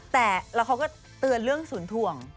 แต่เราก็เตือนเรื่องสุนถ่วง